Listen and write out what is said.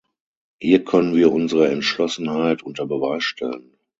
Hier können wir unsere Entschlossenheit unter Beweis stellen.